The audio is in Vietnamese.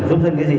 giúp dân cái gì